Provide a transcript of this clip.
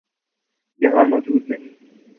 یہاں موجود نہیں۔